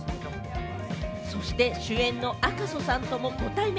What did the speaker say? そして主演の赤楚さんともご対面。